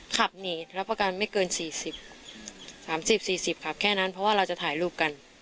ขับหนีรับประกันไม่เกินสี่สิบสามสิบสี่สิบขับแค่นั้นเพราะว่าเราจะถ่ายรูปกัน